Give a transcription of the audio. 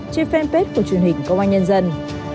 trên fanpage của truyền hình công an nhân dân